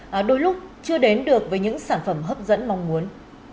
và đôi lúc chưa đến được với những sản phẩm hấp dẫn mong muốn